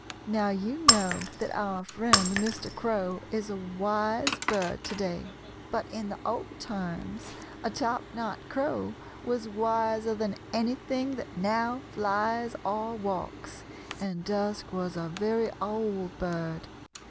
Now, you know that our friend Mr. Crow is a wise bird to day, but in the old times a top knot crow was wiser than anything that now flies or walks, and Dusk was a very old bird.